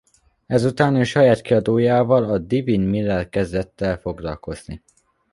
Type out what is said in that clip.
Ezután ő saját kiadójával a Divine Mill-lel kezdett el foglalkozni.